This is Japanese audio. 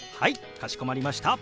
かしこまりました。